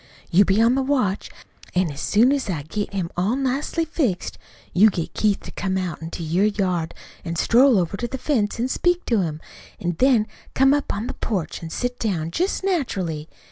You be on the watch, an' as soon as I get him all nicely fixed, you get Keith to come out into your yard an' stroll over to the fence an' speak to him, an' then come up on to the porch an' sit down, just naturally.